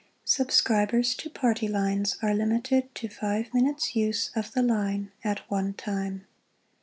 Subscribers to Party Lines are limited to five minutes use of the line at one time.